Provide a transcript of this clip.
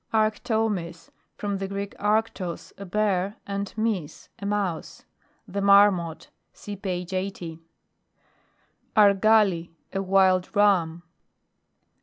ARCTOMYS. From the Greek, arctos, a bear, and mus, a mouse. The Marmot. (See page 80.) ARGALI. A Wild Ram.